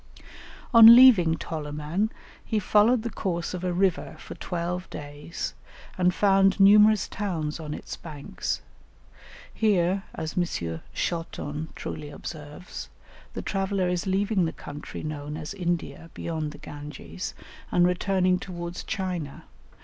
On leaving Toloman, he followed the course of a river for twelve days, and found numerous towns on its banks. Here, as M. Charton truly observes, the traveller is leaving the country known as India beyond the Ganges, and returning towards China.